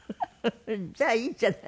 じゃあいいじゃない。